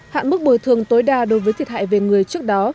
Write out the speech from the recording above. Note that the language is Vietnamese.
hạn mức bồi thường tối đa đối với thiệt hại về người trước đó